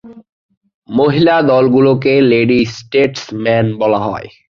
মহিলা দলগুলোকে lady statesman বলা হয়।